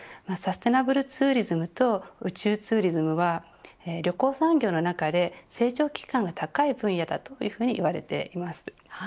サステイナブルツーリズムと宇宙ツーリズムは旅行産業の中で成長機会が高い分野だといわれています。